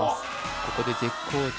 ここで絶好調